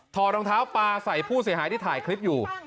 รองเท้าปลาใส่ผู้เสียหายที่ถ่ายคลิปอยู่